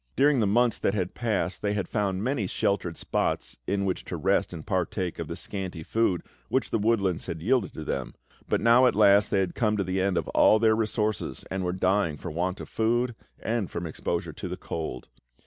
During the months that had passed they had found many sheltered spots in which to rest and partake of the scanty food which the woodlands had yielded to them; but now, at last, they had come to the end of all their resources and were dying for want of food and from exposure to the cold.